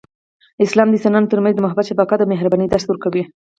اسلام د انسانانو ترمنځ د محبت، شفقت، او مهربانۍ درس ورکوي.